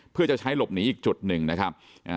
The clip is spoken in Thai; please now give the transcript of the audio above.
เพื่อจะใช้หลบหนีอีกจุดหนึ่งนะครับ